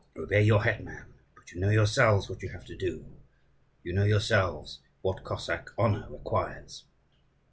Obey your hetman, but you know yourselves what you have to do: you know yourselves what Cossack honour requires."